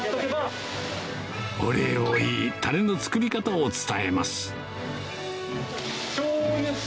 ・お礼を言いタレの作り方を伝えます